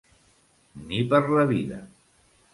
Ni per la vida.